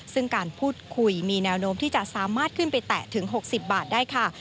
ซึ่งการพูดคุยมีแนวโน้มที่จะสามารถขึ้นไปแตะถึง๖๐บาทได้ค่ะ